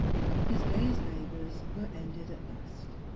His day's labours were ended at last.